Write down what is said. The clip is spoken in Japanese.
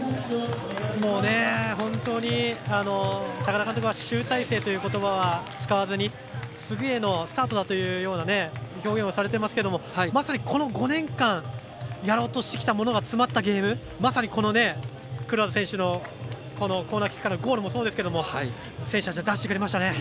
もう、本当に、高田監督は集大成ということばは使わずに次へのスタートだという表現をされていますけれどもこの５年間やろうとしてきたものが詰まったゲーム、まさに黒田選手のコーナーキックからゴールもそうですけど選手たち、出してくれましたね。